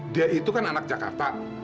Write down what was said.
dia itu kan anak jakarta